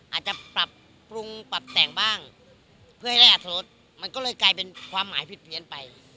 อาจจะปรับปรุงปรับแต่งบ้างเพื่อให้ได้อัตรสมันก็เลยกลายเป็นความหมายผิดเพี้ยนไป